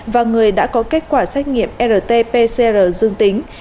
và người đã có kết quả xét nghiệm rt pcr dương tính